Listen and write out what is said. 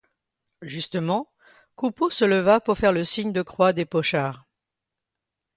Justement, Coupeau se leva pour faire le signe de croix des pochards.